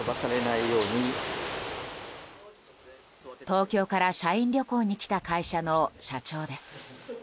東京から社員旅行に来た会社の社長です。